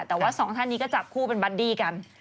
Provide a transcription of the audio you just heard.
แต่ว่าสองท่านนี้ก็จับคู่เป็นบัดดี้กัน